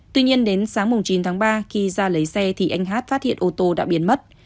tuy nhiên đến sáng chín tháng ba khi ra lấy xe thì anh hát phát hiện ô tô đã biến mất